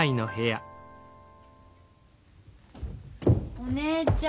お姉ちゃん。